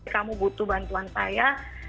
kamu butuh bantuan saya